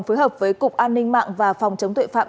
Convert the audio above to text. phối hợp với cục an ninh mạng và phòng chống tội phạm